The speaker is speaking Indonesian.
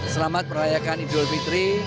selamat perlayakan idul fitri